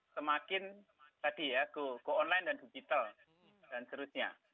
semakin tadi ya go online dan digital dan seterusnya